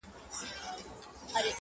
اوس به سخته سزا درکړمه و تاته,